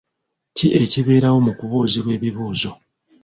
ki ekibeerawo mu kubuuzibwa ebibuuzo?